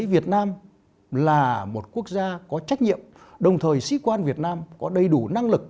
việt nam là một quốc gia có trách nhiệm đồng thời sĩ quan việt nam có đầy đủ năng lực